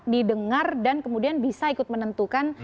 didengar dan kemudian bisa ikut menentukan